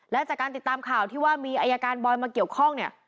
และจากการติดตามข่าวที่ว่ามีอายการบอยมาเกี่ยวข้องเนี่ย